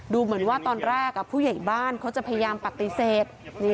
ดูเหมือนว่าตอนแรกผู้ใหญ่บ้านเขาจะพยายามปฏิเสธ